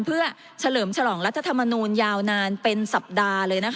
เพื่อเฉลิมฉลองรัฐธรรมนูญยาวนานเป็นสัปดาห์เลยนะคะ